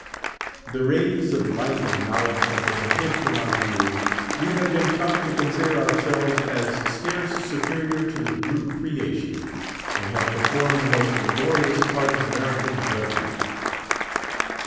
The rays of light and knowledge have been hid from our view ; we have been taught to consider our selves as scarce superior to the brute creation ; and have performed the most laborious part of American drudgery.